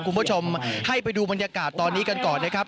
คุณผู้ชมให้ไปดูบรรยากาศตอนนี้กันก่อนนะครับ